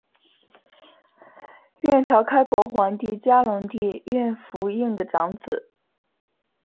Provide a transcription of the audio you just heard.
阮朝开国皇帝嘉隆帝阮福映的长子。